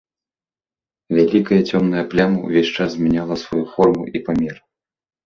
Вялікая цёмная пляма ўвесь час змяняла сваю форму і памер.